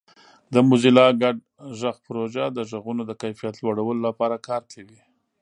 د موزیلا ګډ غږ پروژه د غږونو د کیفیت لوړولو لپاره کار کوي.